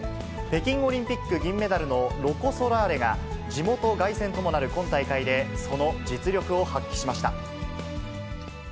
北京オリンピック銀メダルのロコ・ソラーレが、地元凱旋ともなる今大会で、その実力を発揮しました。